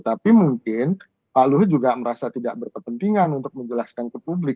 tapi mungkin pak luhut juga merasa tidak berkepentingan untuk menjelaskan ke publik